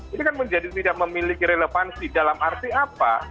ini kan menjadi tidak memiliki relevansi dalam arti apa